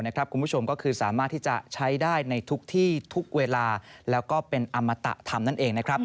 คุณผู้ชมก็คือสามารถที่จะใช้ได้ในทุกที่ทุกเวลาแล้วก็เป็นอมตะธรรมนั่นเองนะครับ